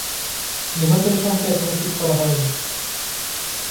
নিহতের সংখ্যা এখনো ঠিক করা হয়নি।